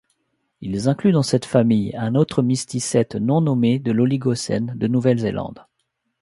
Ils incluent dans cette famille un autre mysticète non nommé de l'Oligocène de Nouvelle-Zélande.